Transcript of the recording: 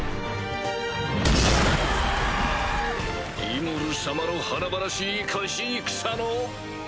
リムル様の華々しい勝ち戦の。